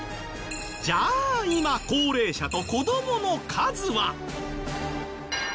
じゃあ今高齢者と子どもの数は？